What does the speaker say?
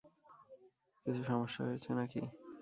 কিছু সমস্যা হয়েছে নাকি?